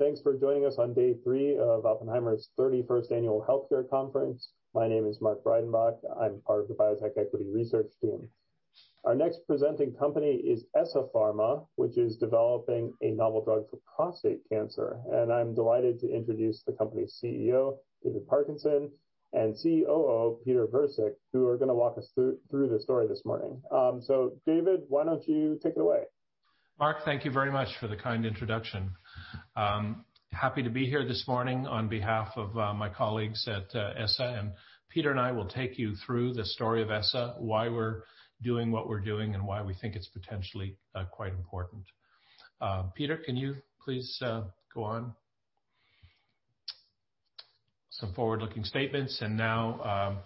All right. Thanks for joining us on day three of Oppenheimer 31st Annual Healthcare Conference. My name is Mark Breidenbach. I'm part of the Biotech Equity Research team. Our next presenting company is ESSA Pharma, which is developing a novel drug for prostate cancer, and I'm delighted to introduce the company's CEO, David Parkinson, and COO, Peter Virsik, who are going to walk us through the story this morning. David, why don't you take it away? Mark, thank you very much for the kind introduction. Happy to be here this morning on behalf of my colleagues at ESSA, Peter and I will take you through the story of ESSA, why we're doing what we're doing, and why we think it's potentially quite important. Peter, can you please go on? Some forward-looking statements. Now,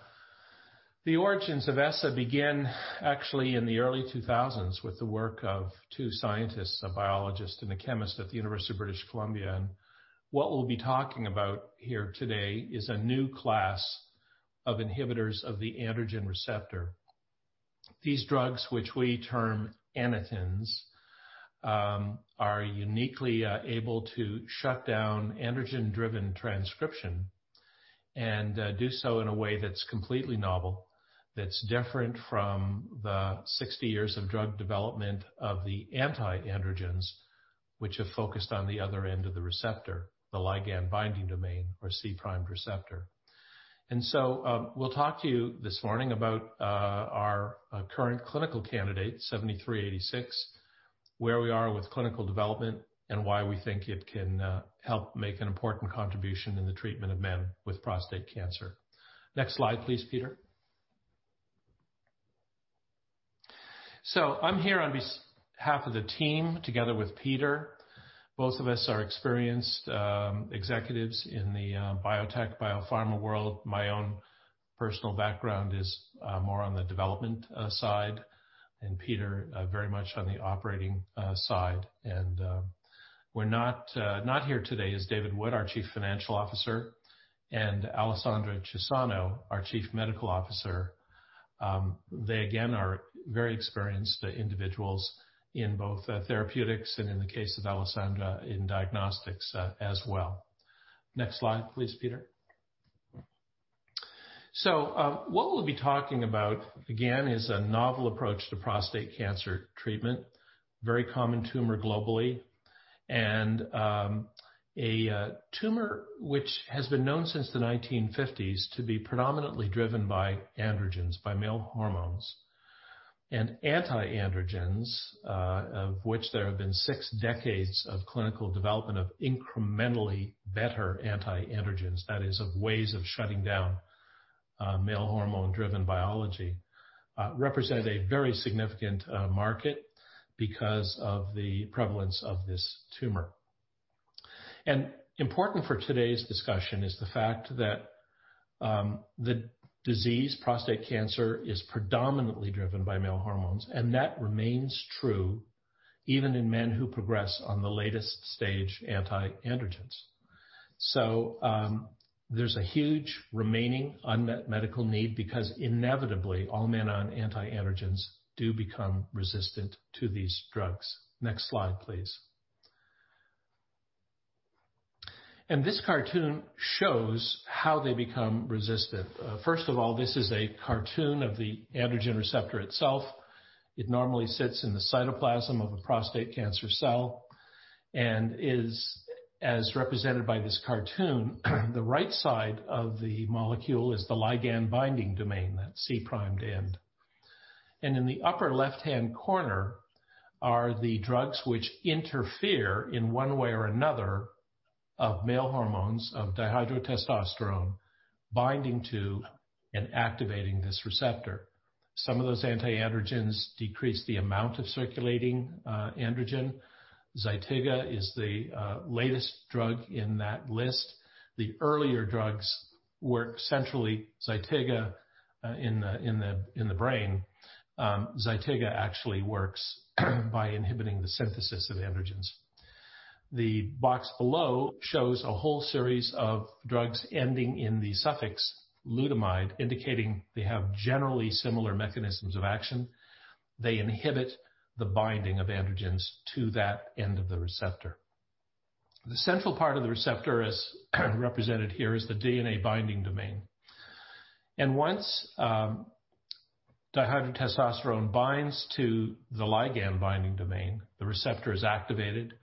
the origins of ESSA begin actually in the early 2000s with the work of two scientists, a biologist and a chemist at the University of British Columbia. What we'll be talking about here today is a new class of inhibitors of the androgen receptor. These drugs, which we term Anitens, are uniquely able to shut down androgen-driven transcription and do so in a way that's completely novel, that's different from the 60 years of drug development of the anti-androgens, which have focused on the other end of the receptor, the ligand binding domain or C-terminal receptor. We'll talk to you this morning about our current clinical candidate, 7386, where we are with clinical development, and why we think it can help make an important contribution in the treatment of men with prostate cancer. Next slide, please, Peter. I'm here on behalf of the team together with Peter. Both of us are experienced executives in the biotech, biopharma world. My own personal background is more on the development side and Peter very much on the operating side. Not here today is David Wood, our Chief Financial Officer, and Alessandra Cesano, our Chief Medical Officer. They, again, are very experienced individuals in both therapeutics and in the case of Alessandra, in diagnostics as well. Next slide, please, Peter. What we'll be talking about, again, is a novel approach to prostate cancer treatment. Very common tumor globally, and a tumor which has been known since the 1950s to be predominantly driven by androgens, by male hormones. Anti-androgens, of which there have been six decades of clinical development of incrementally better anti-androgens, that is, of ways of shutting down male hormone-driven biology, represent a very significant market because of the prevalence of this tumor. Important for today's discussion is the fact that the disease, prostate cancer, is predominantly driven by male hormones, and that remains true even in men who progress on the latest stage anti-androgens. There's a huge remaining unmet medical need because inevitably, all men on antiandrogens do become resistant to these drugs. Next slide, please. This cartoon shows how they become resistant. First of all, this is a cartoon of the androgen receptor itself. It normally sits in the cytoplasm of a prostate cancer cell and is, as represented by this cartoon, the right side of the molecule is the ligand-binding domain, that C-terminal end. In the upper left-hand corner are the drugs which interfere in one way or another of male hormones, of dihydrotestosterone binding to and activating this receptor. Some of those antiandrogens decrease the amount of circulating androgen. ZYTIGA is the latest drug in that list. The earlier drugs work centrally in the brain. ZYTIGA actually works by inhibiting the synthesis of androgens. The box below shows a whole series of drugs ending in the suffix lutamide, indicating they have generally similar mechanisms of action. They inhibit the binding of androgens to that end of the receptor. The central part of the receptor, as represented here, is the DNA binding domain. Once dihydrotestosterone binds to the ligand-binding domain, the receptor is activated,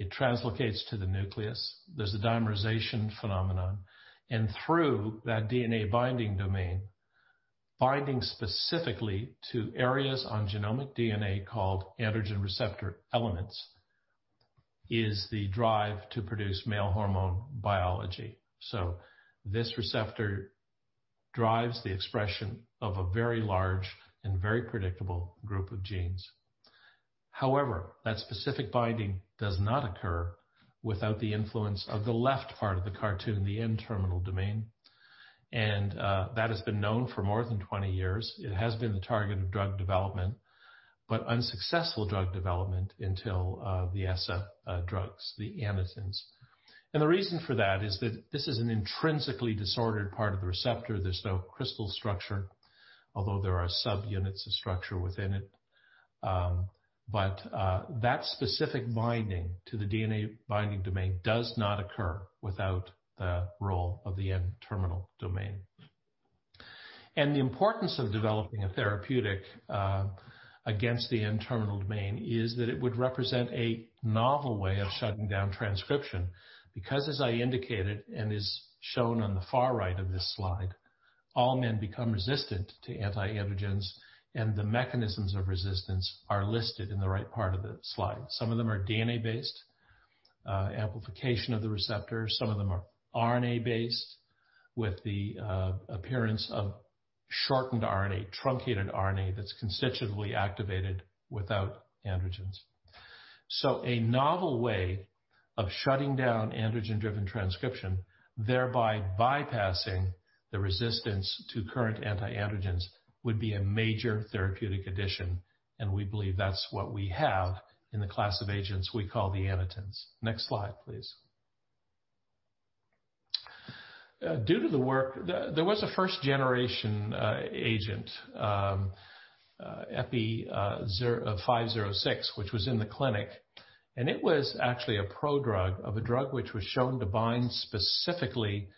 it translocates to the nucleus. There's a dimerization phenomenon, and through that DNA-binding domain, binding specifically to areas on genomic DNA called androgen response elements, is the drive to produce male hormone biology. This receptor drives the expression of a very large and very predictable group of genes. However, that specific binding does not occur without the influence of the left part of the cartoon, the N-terminal domain. That has been known for more than 20 years. It has been the target of drug development, but unsuccessful drug development until the ESSA drugs, the Anitens. The reason for that is that this is an intrinsically disordered part of the receptor. There's no crystal structure, although there are subunits of structure within it. But that specific binding to the DNA binding domain does not occur without the role of the N-terminal domain. The importance of developing a therapeutic against the N-terminal domain is that it would represent a novel way of shutting down transcription, because as I indicated and is shown on the far right of this slide, all men become resistant to anti-androgens, and the mechanisms of resistance are listed in the right part of the slide. Some of them are DNA-based, amplification of the receptor, some of them are RNA-based with the appearance of shortened RNA, truncated RNA that's constitutively activated without androgens. A novel way of shutting down androgen-driven transcription, thereby bypassing the resistance to current anti-androgens, would be a major therapeutic addition, and we believe that's what we have in the class of agents we call the anitens. Next slide, please. There was a first-generation agent, EPI-506, which was in the clinic, and it was actually a prodrug of a drug which was shown to bind specifically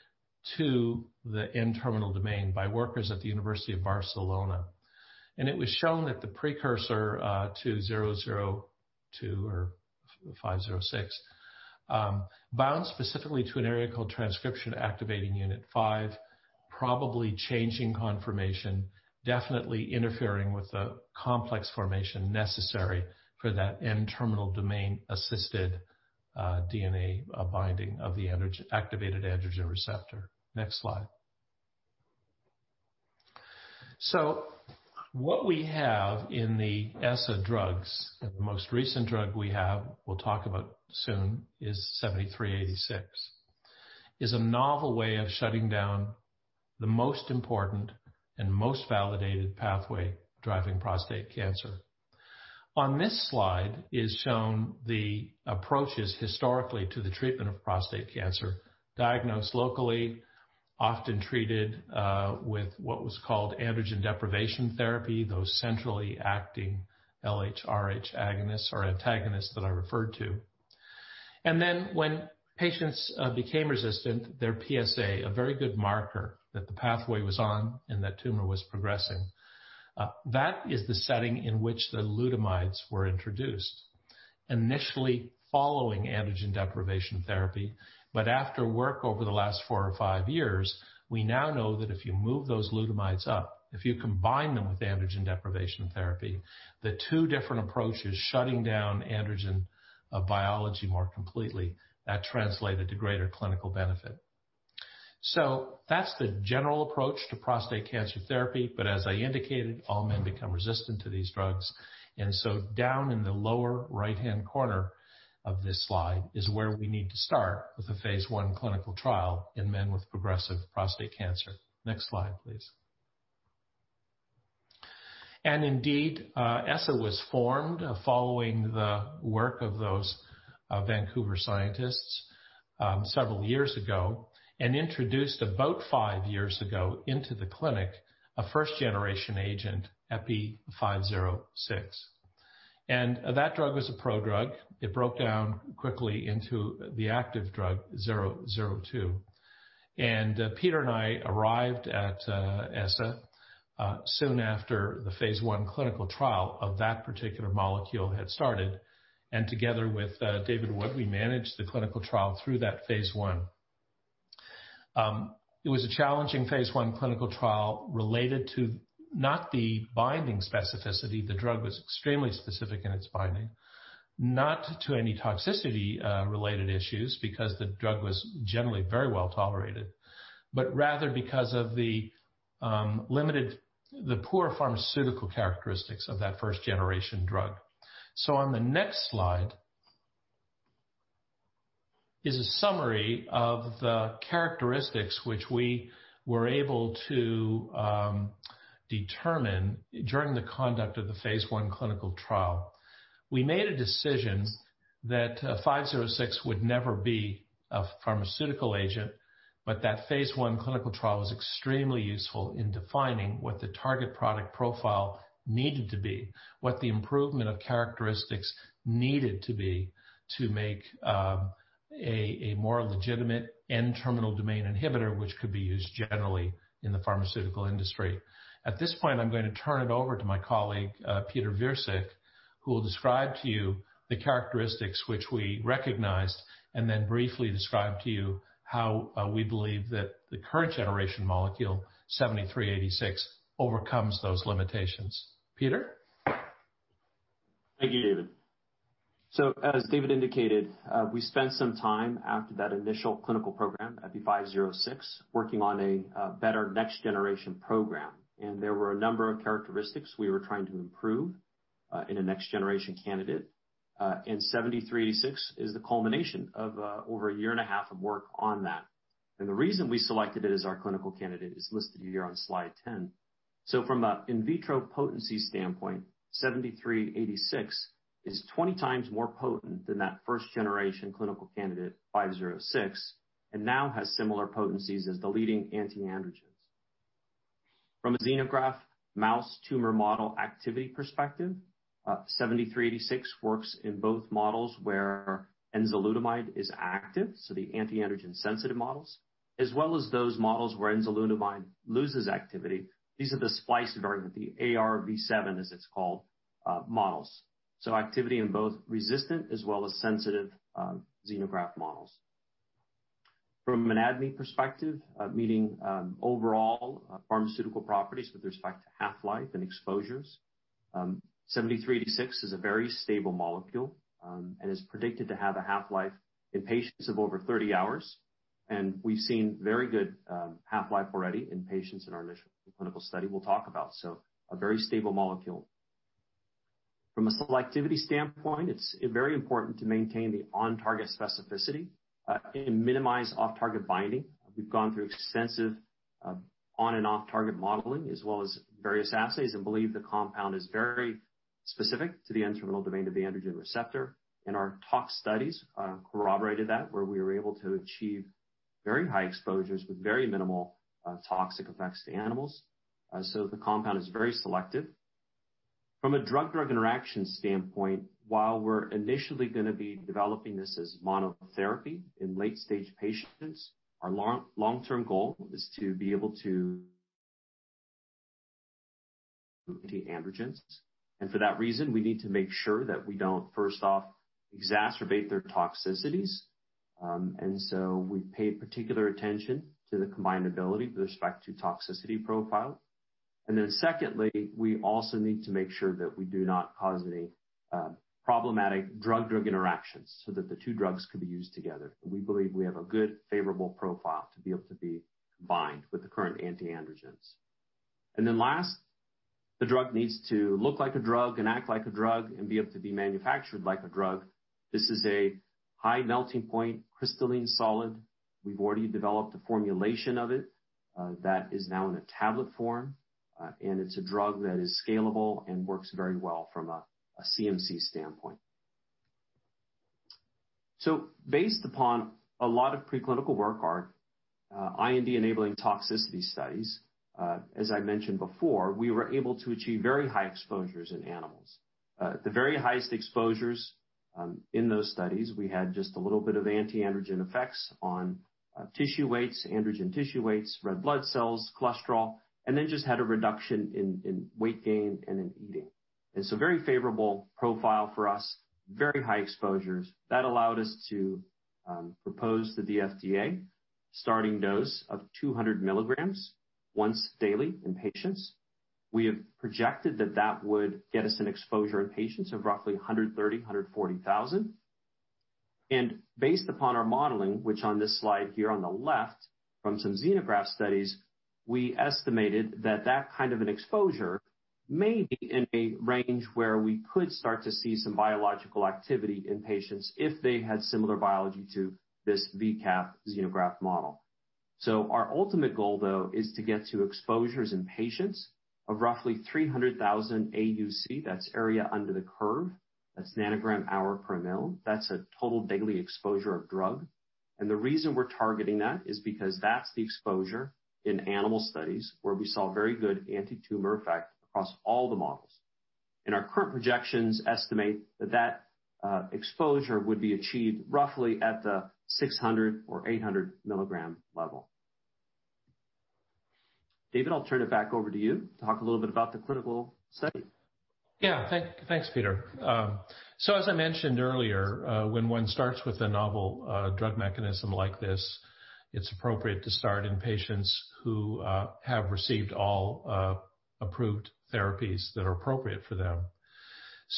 to the N-terminal domain by workers at the University of Barcelona. It was shown that the precursor to EPI-002 or EPI-506 binds specifically to an area called Transactivation Unit 5, probably changing conformation, definitely interfering with the complex formation necessary for that N-terminal domain-assisted DNA binding of the activated androgen receptor. Next slide. What we have in the ESSA drugs, the most recent drug we have, we will talk about soon, is EPI-7386, is a novel way of shutting down the most important and most validated pathway driving prostate cancer. On this slide is shown the approaches historically to the treatment of prostate cancer, diagnosed locally, often treated with what was called androgen deprivation therapy, those centrally acting LHRH agonists or antagonists that I referred to. When patients became resistant, their PSA, a very good marker that the pathway was on and that tumor was progressing. That is the setting in which the lutamides were introduced, initially following androgen deprivation therapy. After work over the last four or five years, we now know that if you move those lutamides up, if you combine them with androgen deprivation therapy, the two different approaches shutting down androgen biology more completely, that translated to greater clinical benefit. That's the general approach to prostate cancer therapy, but as I indicated, all men become resistant to these drugs. Down in the lower right-hand corner of this slide is where we need to start with the phase I clinical trial in men with progressive prostate cancer. Next slide, please. Indeed, ESSA was formed following the work of those Vancouver scientists several years ago and introduced about five years ago into the clinic, a first-generation agent, EPI-506. That drug was a prodrug. It broke down quickly into the active drug, EPI-002. Peter and I arrived at ESSA soon after the phase I clinical trial of that particular molecule had started. Together with David Webb, we managed the clinical trial through that phase I. It was a challenging phase I clinical trial related to not the binding specificity, the drug was extremely specific in its binding, not to any toxicity-related issues, because the drug was generally very well-tolerated, but rather because of the poor pharmaceutical characteristics of that first-generation drug. On the next slide is a summary of the characteristics which we were able to determine during the conduct of the phase I clinical trial. We made a decision that EPI-506 would never be a pharmaceutical agent, but that phase I clinical trial was extremely useful in defining what the target product profile needed to be, what the improvement of characteristics needed to be to make a more legitimate N-terminal domain inhibitor, which could be used generally in the pharmaceutical industry. At this point, I'm going to turn it over to my colleague, Peter Virsik, who will describe to you the characteristics which we recognized and then briefly describe to you how we believe that the current generation molecule, EPI-7386, overcomes those limitations. Peter? Thank you, David. As David indicated, we spent some time after that initial clinical program, EPI-506, working on a better next generation program. There were a number of characteristics we were trying to improve in a next generation candidate. EPI-7386 is the culmination of over a year and a half of work on that. The reason we selected it as our clinical candidate is listed here on slide 10. From an in vitro potency standpoint, EPI-7386 is 20x more potent than that first generation clinical candidate, EPI-506, and now has similar potencies as the leading anti-androgens. From a xenograft mouse tumor model activity perspective, EPI-7386 works in both models where enzalutamide is active, so the anti-androgen sensitive models, as well as those models where enzalutamide loses activity. These are the spliced variant, the AR-V7, as it's called, models. Activity in both resistant as well as sensitive xenograft models. From an ADME perspective, meaning overall pharmaceutical properties with respect to half-life and exposures, EPI-7386 is a very stable molecule and is predicted to have a half-life in patients of over 30 hours, and we've seen very good half-life already in patients in our initial clinical study we'll talk about. A very stable molecule. From a selectivity standpoint, it's very important to maintain the on-target specificity and minimize off-target binding. We've gone through extensive on- and off-target modeling as well as various assays and believe the compound is very specific to the N-terminal domain of the androgen receptor, and our tox studies corroborated that, where we were able to achieve very high exposures with very minimal toxic effects to animals. The compound is very selective. From a drug-drug interaction standpoint, while we're initially going to be developing this as monotherapy in late-stage patients, our long-term goal is to be able to antiandrogens. For that reason, we need to make sure that we don't, first off, exacerbate their toxicities. We paid particular attention to the combined ability with respect to toxicity profile. Secondly, we also need to make sure that we do not cause any problematic drug-drug interactions so that the two drugs could be used together. We believe we have a good, favorable profile to be able to be combined with the current antiandrogens. Last, the drug needs to look like a drug and act like a drug and be able to be manufactured like a drug. This is a high-melting point, crystalline solid. We've already developed a formulation of it that is now in a tablet form. It's a drug that is scalable and works very well from a CMC standpoint. Based upon a lot of preclinical work, our IND-enabling toxicity studies, as I mentioned before, we were able to achieve very high exposures in animals. At the very highest exposures in those studies, we had just a little bit of anti-androgen effects on tissue weights, androgen tissue weights, red blood cells, cholesterol, and then just had a reduction in weight gain and in eating. It's a very favorable profile for us, very high exposures. That allowed us to propose to the FDA a starting dose of 200 mg once daily in patients. We have projected that that would get us an exposure in patients of roughly 130,000-140,000. Based upon our modeling, which on this slide here on the left from some xenograft studies, we estimated that that kind of an exposure may be in a range where we could start to see some biological activity in patients if they had similar biology to this VCaP xenograft model. Our ultimate goal, though, is to get to exposures in patients of roughly 300,000 AUC, that's area under the curve. That's nanogram hour per ml. That's a total daily exposure of drug. The reason we're targeting that is because that's the exposure in animal studies where we saw very good anti-tumor effect across all the models. Our current projections estimate that that exposure would be achieved roughly at the 600 mg or 800 mg level. David, I'll turn it back over to you to talk a little bit about the clinical study. Yeah. Thanks, Peter. As I mentioned earlier, when one starts with a novel drug mechanism like this, it's appropriate to start in patients who have received all approved therapies that are appropriate for them.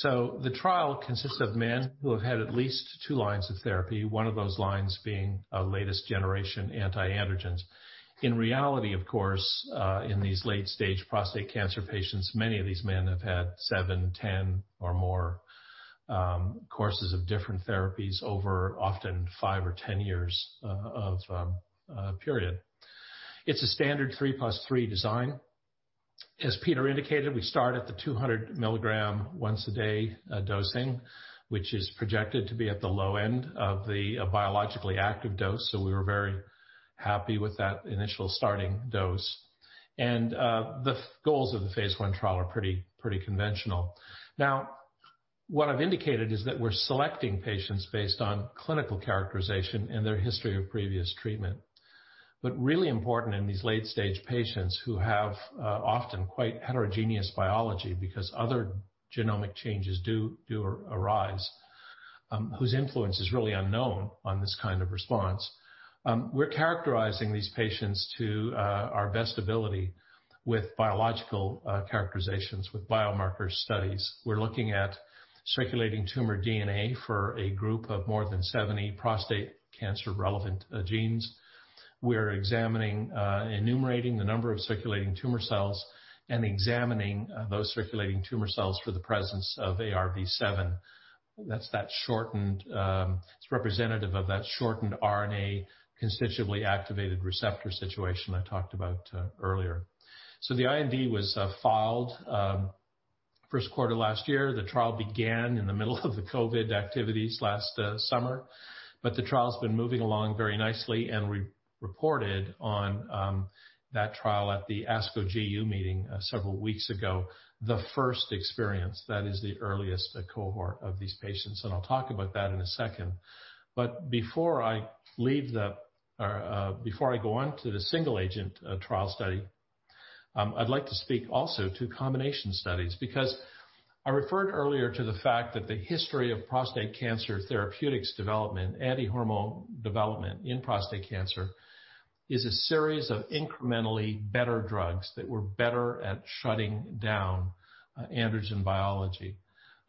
The trial consists of men who have had at least two lines of therapy, one of those lines being a latest generation antiandrogen. In reality, of course, in these late-stage prostate cancer patients, many of these men have had 7-10 or more courses of different therapies over often five or 10 years of period. It's a standard 3+3 design. As Peter indicated, we start at the 200 mg once-a-day dosing, which is projected to be at the low end of the biologically active dose. We were very happy with that initial starting dose. The goals of the phase I trial are pretty conventional. What I've indicated is that we're selecting patients based on clinical characterization and their history of previous treatment. Really important in these late-stage patients who have often quite heterogeneous biology because other genomic changes do arise, whose influence is really unknown on this kind of response, we're characterizing these patients to our best ability with biological characterizations, with biomarker studies. We're looking at circulating tumor DNA for a group of more than 70 prostate cancer-relevant genes. We're examining, enumerating the number of circulating tumor cells and examining those circulating tumor cells for the presence of AR-V7. It's representative of that shortened RNA constitutively activated receptor situation I talked about earlier. The IND was filed first quarter last year, the trial began in the middle of the COVID activities last summer, but the trial's been moving along very nicely, and we reported on that trial at the ASCO GU meeting several weeks ago. The first experience, that is the earliest cohort of these patients, and I'll talk about that in a second. Before I go on to the single agent trial study, I'd like to speak also to combination studies, because I referred earlier to the fact that the history of prostate cancer therapeutics development, antihormone development in prostate cancer, is a series of incrementally better drugs that were better at shutting down androgen biology.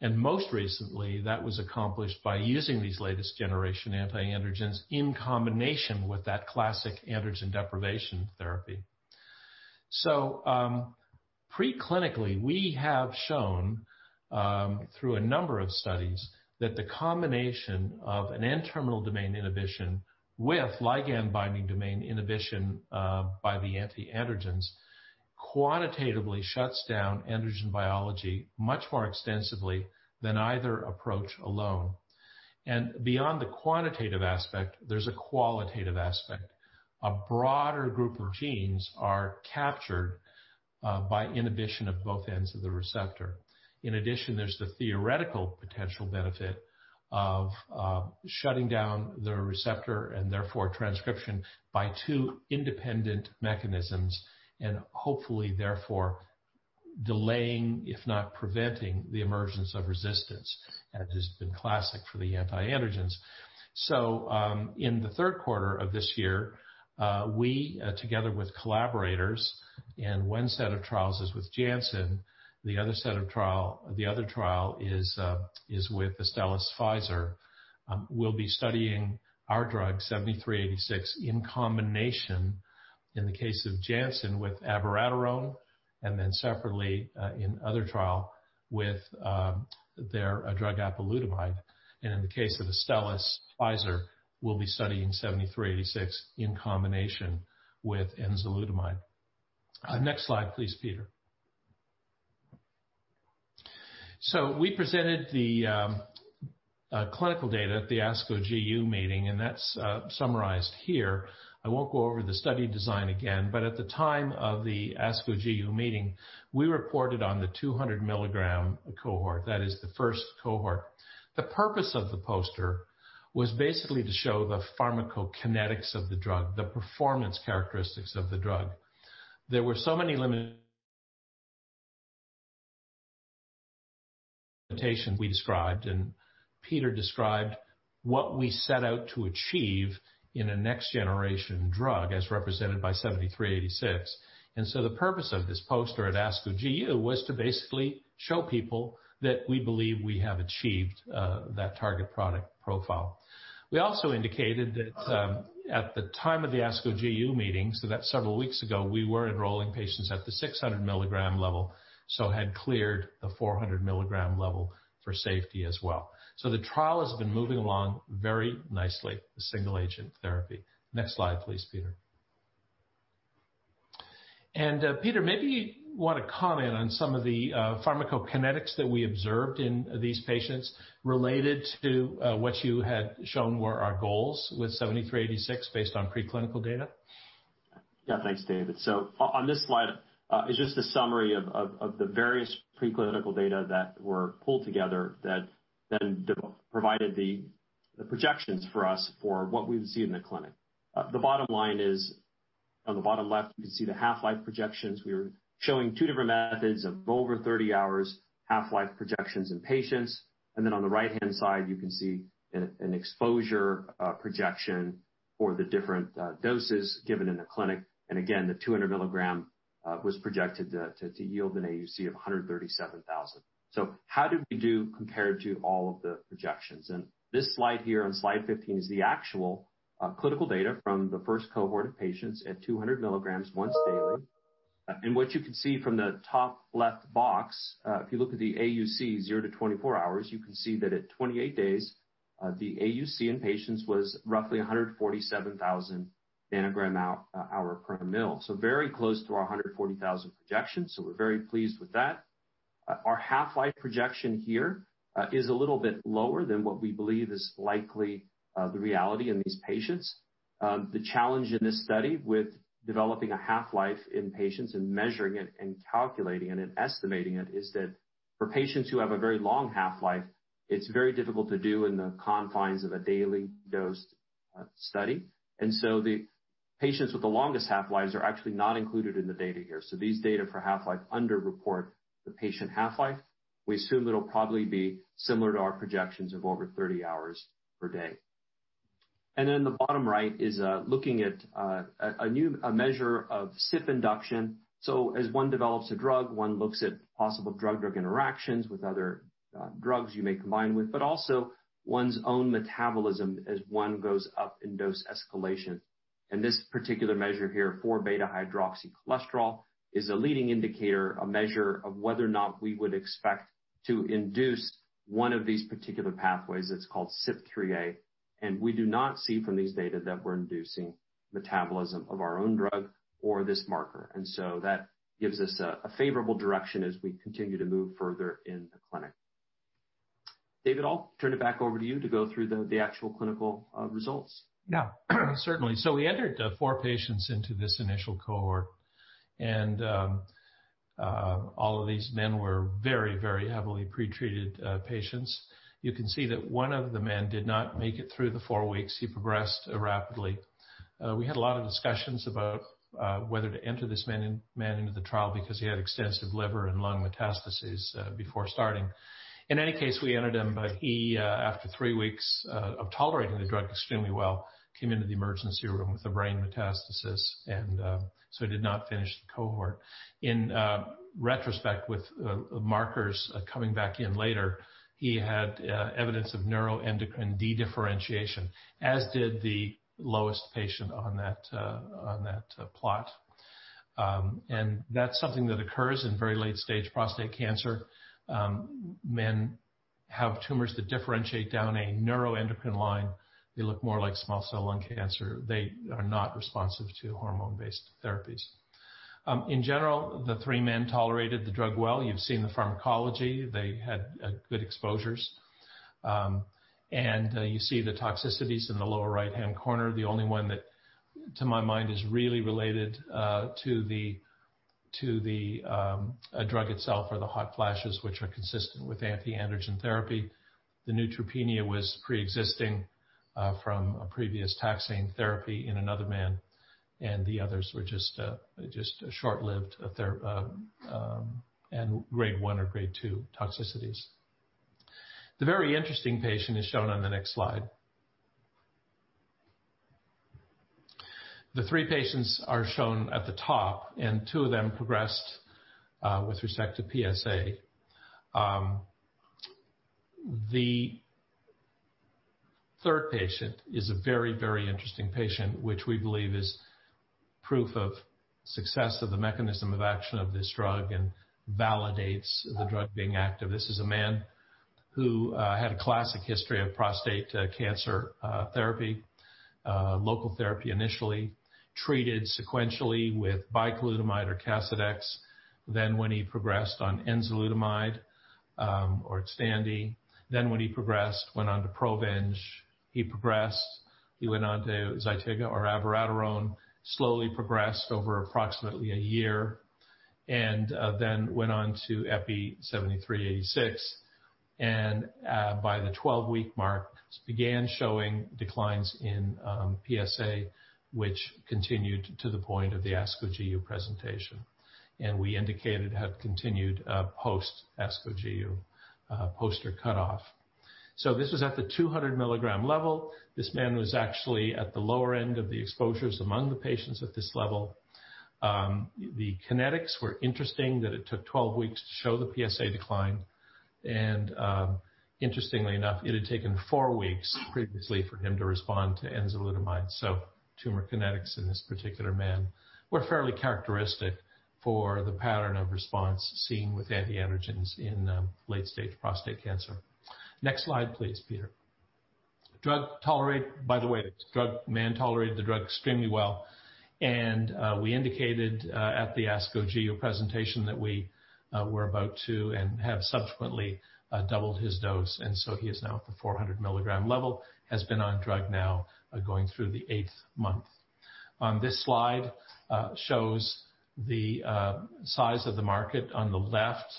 Most recently, that was accomplished by using these latest generation antiandrogens in combination with that classic androgen deprivation therapy. Pre-clinically, we have shown, through a number of studies, that the combination of an N-terminal domain inhibition with ligand-binding domain inhibition by the antiandrogens quantitatively shuts down androgen biology much more extensively than either approach alone. Beyond the quantitative aspect, there's a qualitative aspect. A broader group of genes are captured by inhibition of both ends of the receptor. In addition, there's the theoretical potential benefit of shutting down the receptor and therefore transcription by two independent mechanisms and hopefully therefore delaying, if not preventing, the emergence of resistance that has been classic for the antiandrogens. In the third quarter of this year, we together with collaborators, and one set of trials is with Janssen, the other trial is with Astellas/Pfizer. We'll be studying our drug EPI-7386 in combination, in the case of Janssen, with abiraterone, and then separately, in other trial with their drug apalutamide. In the case of Astellas/Pfizer, we'll be studying EPI-7386 in combination with enzalutamide. Next slide, please, Peter. We presented the clinical data at the ASCO GU meeting, and that's summarized here. I won't go over the study design again, but at the time of the ASCO GU meeting, we reported on the 200 mg cohort. That is the first cohort. The purpose of the poster was basically to show the pharmacokinetics of the drug, the performance characteristics of the drug. There were so many limitations we described, and Peter described what we set out to achieve in a next generation drug as represented by EPI-7386. The purpose of this poster at ASCO GU was to basically show people that we believe we have achieved that target product profile. We also indicated that at the time of the ASCO GU meeting, so that's several weeks ago, we were enrolling patients at the 600 mg level, so had cleared the 400 mg level for safety as well. The trial has been moving along very nicely, the single agent therapy. Next slide, please, Peter. Peter, maybe you want to comment on some of the pharmacokinetics that we observed in these patients related to what you had shown were our goals with EPI-7386 based on preclinical data. Thanks, David. On this slide is just a summary of the various preclinical data that were pulled together that then provided the projections for us for what we would see in the clinic. The bottom line is on the bottom left, you can see the half-life projections. We're showing two different methods of over 30 hours, half-life projections in patients. On the right-hand side, you can see an exposure projection for the different doses given in the clinic. Again, the 200 mg was projected to yield an AUC of 137,000. How did we do compared to all of the projections? This slide here on slide 15 is the actual clinical data from the first cohort of patients at 200 mg once daily. What you can see from the top left box, if you look at the AUC 0 to 24 hours, you can see that at 28 days, the AUC in patients was roughly 147,000 ng*hr/mL. Very close to our 140,000 ng*hr/mL projection, so we're very pleased with that. Our half-life projection here is a little bit lower than what we believe is likely the reality in these patients. The challenge in this study with developing a half-life in patients and measuring it and calculating it and estimating it, is that for patients who have a very long half-life, it's very difficult to do in the confines of a daily dose study. The patients with the longest half-lives are actually not included in the data here. These data for half-life under-report the patient half-life. We assume it'll probably be similar to our projections of over 30 hours per day. Then the bottom right is looking at a measure of CYP induction. As one develops a drug, one looks at possible drug-drug interactions with other drugs you may combine with, but also one's own metabolism as one goes up in dose escalation. This particular measure here for 4β-hydroxycholesterol is a leading indicator, a measure of whether or not we would expect to induce one of these particular pathways that's called CYP3A. We do not see from these data that we're inducing metabolism of our own drug or this marker. That gives us a favorable direction as we continue to move further in the clinic. David, I'll turn it back over to you to go through the actual clinical results. Certainly. We entered four patients into this initial cohort. All of these men were very, very heavily pre-treated patients. You can see that one of the men did not make it through the four weeks. He progressed rapidly. We had a lot of discussions about whether to enter this man into the trial because he had extensive liver and lung metastases before starting. In any case, we entered him, but he, after three weeks of tolerating the drug extremely well, came into the emergency room with a brain metastasis and so did not finish the cohort. In retrospect, with markers coming back in later, he had evidence of neuroendocrine de-differentiation, as did the lowest patient on that plot. That's something that occurs in very late-stage prostate cancer. Men have tumors that differentiate down a neuroendocrine line. They look more like small cell lung cancer. They are not responsive to hormone-based therapies. In general, the three men tolerated the drug well. You've seen the pharmacology. They had good exposures. You see the toxicities in the lower right-hand corner. The only one that, to my mind, is really related to the drug itself or the hot flashes, which are consistent with anti-androgen therapy. The neutropenia was preexisting from a previous taxane therapy in another man, and the others were just short-lived and Grade 1 or Grade 2 toxicities. The very interesting patient is shown on the next slide. The three patients are shown at the top, and two of them progressed with respect to PSA. The third patient is a very, very interesting patient, which we believe is proof of success of the mechanism of action of this drug and validates the drug being active. This is a man who had a classic history of prostate cancer therapy. Local therapy initially, treated sequentially with bicalutamide or CASODEX. When he progressed on enzalutamide or XTANDI. When he progressed, went on to PROVENGE. He progressed, he went on to ZYTIGA or abiraterone. Slowly progressed over approximately a year and then went on to EPI-7386 and by the 12-week mark, began showing declines in PSA, which continued to the point of the ASCO GU presentation. We indicated have continued post ASCO GU poster cutoff. This was at the 200 mg level. This man was actually at the lower end of the exposures among the patients at this level. The kinetics were interesting that it took 12 weeks to show the PSA decline, and interestingly enough, it had taken four weeks previously for him to respond to enzalutamide. Tumor kinetics in this particular man were fairly characteristic for the pattern of response seen with antiandrogens in late-stage prostate cancer. Next slide, please, Peter. By the way, the man tolerated the drug extremely well, and we indicated at the ASCO GU presentation that we were about to and have subsequently doubled his dose and so he is now at the 400 mg level, has been on drug now going through the eighth month. On this slide shows the size of the market on the left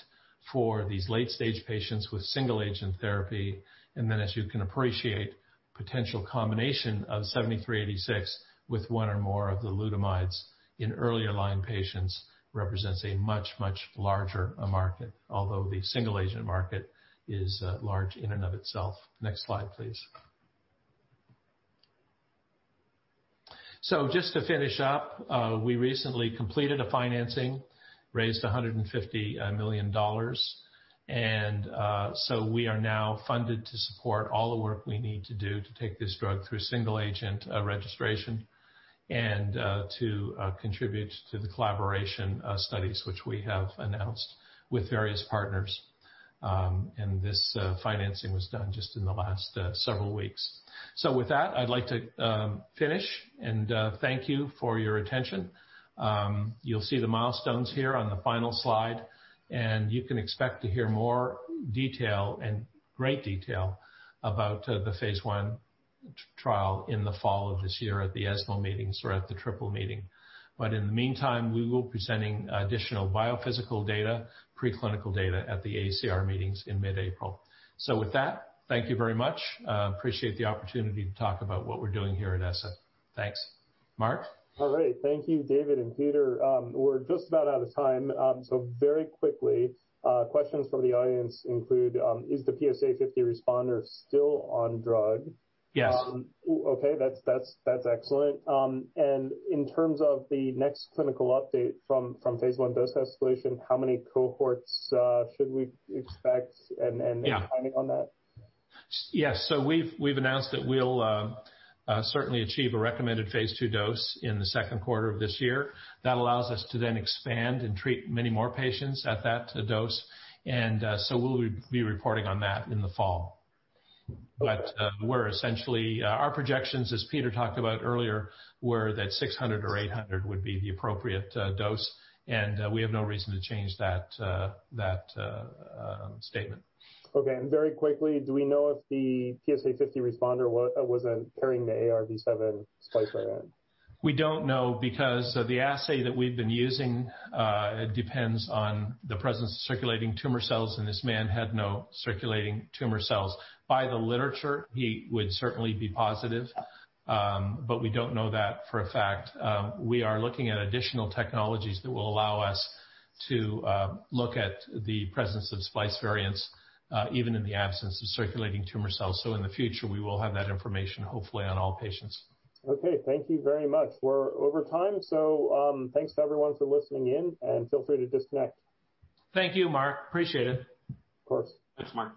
for these late-stage patients with single agent therapy. As you can appreciate, potential combination of EPI-7386 with one or more of the lutamides in earlier line patients represents a much, much larger market. Although the single agent market is large in and of itself. Next slide, please. Just to finish up, we recently completed a financing, raised $150 million. We are now funded to support all the work we need to do to take this drug through single agent registration and to contribute to the collaboration studies which we have announced with various partners. This financing was done just in the last several weeks. With that, I'd like to finish and thank you for your attention. You'll see the milestones here on the final slide, and you can expect to hear more detail and great detail about the phase I trial in the fall of this year at the ESMO meetings or at the Triple meeting. In the meantime, we will be presenting additional biophysical data, preclinical data at the AACR meetings in mid-April. With that, thank you very much. Appreciate the opportunity to talk about what we're doing here at ESSA. Thanks. Mark? All right. Thank you, David and Peter. We're just about out of time. Very quickly, questions from the audience include, is the PSA50 responder still on drug? Yes. Okay. That's excellent. In terms of the next clinical update from phase I dose escalation, how many cohorts should we expect? Yeah Any timing on that? Yes. We've announced that we'll certainly achieve a recommended phase II dose in the second quarter of this year. That allows us to then expand and treat many more patients at that dose. We'll be reporting on that in the fall. Our projections, as Peter talked about earlier, were that 600 mg or 800 mg would be the appropriate dose, and we have no reason to change that statement. Okay. Very quickly, do we know if the PSA50 responder wasn't carrying the AR-V7 splice variant? We don't know because the assay that we've been using depends on the presence of circulating tumor cells, and this man had no circulating tumor cells. By the literature, he would certainly be positive, but we don't know that for a fact. We are looking at additional technologies that will allow us to look at the presence of splice variants, even in the absence of circulating tumor cells. In the future, we will have that information, hopefully, on all patients. Okay. Thank you very much. We're over time. Thanks to everyone for listening in, and feel free to disconnect. Thank you, Mark. Appreciate it. Of course. Thanks, Mark.